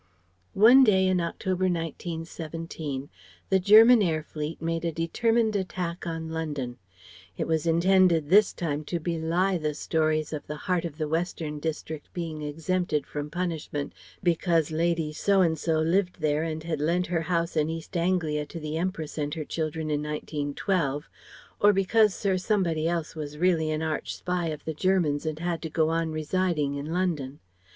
One day in October, 1917, the German air fleet made a determined attack on London. It was intended this time to belie the stories of the heart of the Western district being exempted from punishment because Lady So and so lived there and had lent her house in East Anglia to the Empress and her children in 1912, or because Sir Somebody else was really an arch spy of the Germans and had to go on residing in London.